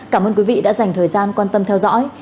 cảm ơn quý vị đã dành thời gian quan tâm theo dõi